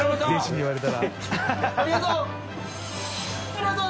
ありがとう！